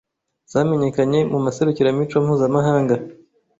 zamenyekanye mu maserukiramuco mpuzamahanga